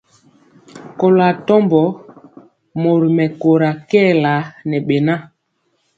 Kɔlo atɔmbɔ mori mɛkóra kɛɛla ŋɛ beŋa.